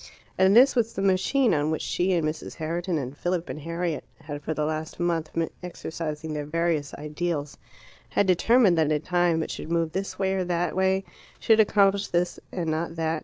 And this was the machine on which she and Mrs. Herriton and Philip and Harriet had for the last month been exercising their various ideals had determined that in time it should move this way or that way, should accomplish this and not that.